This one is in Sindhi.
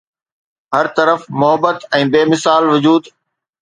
هر طرف محبت ۽ بي مثال وجود